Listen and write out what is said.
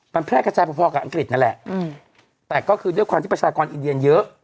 มันแพร่กระจายพอกับอังกฤษนั่นแหละแต่ก็คือด้วยความที่ประชากรอินเดียเยอะ